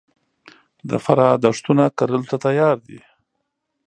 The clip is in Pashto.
د فراه دښتونه کرلو ته تیار دي